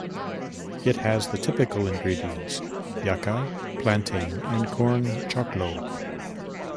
It has the typical ingredients: "yuca", plantain, and corn "choclo".